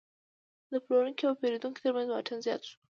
د پلورونکو او پیرودونکو ترمنځ واټن زیات شو.